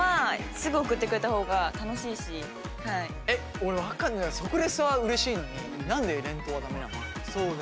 俺分かんないのが即レスはうれしいのに何で連投は駄目なんだろうね。